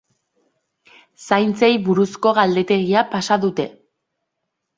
Zaintzei buruzko galdetegia pasa dute.